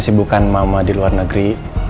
dan kesibukan mama di luar negeri